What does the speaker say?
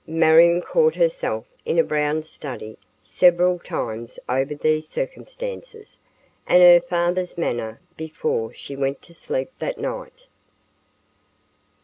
Marion caught herself in a brown study several times over these circumstances and her father's manner before she went to sleep that night.